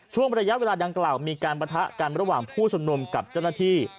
ช่วงระยะเวลาดังกล่าวมีการปะทะกันระหว่างผู้ชมนุมกับเจ้าหน้าที่